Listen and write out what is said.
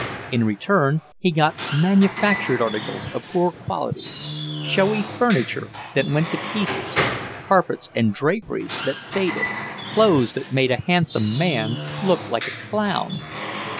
In return he got manufactured articles of poor quality; showy furniture that went to pieces, carpets and draperies that faded, clothes that made a handsome man look like a clown.